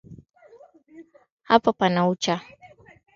Hapo pana ucha.